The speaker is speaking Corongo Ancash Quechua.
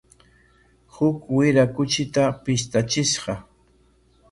Huk wira kuchita pishtachishqa.